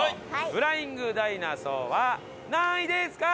フライング・ダイナソーは何位ですか？